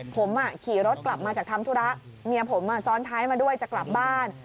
ผมขี่รถกลับมาจากทำธุระเมียผมซ้อนท้ายมาด้วยจะกลับบ้าน